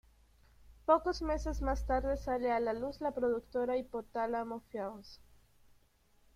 Pocos meses más tarde sale a la luz la productora Hipotálamo Films.